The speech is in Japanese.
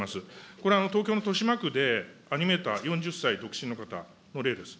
これ、東京の豊島区でアニメーター４０歳独身の方の例です。